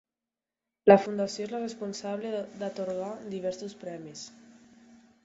La Fundació és la responsable d'atorgar diversos premis.